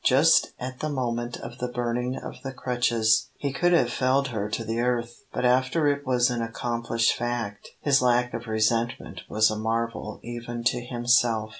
Just at the moment of the burning of the crutches he could have felled her to the earth, but after it was an accomplished fact his lack of resentment was a marvel even to himself.